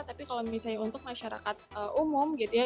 tapi kalau misalnya untuk masyarakat umum gitu ya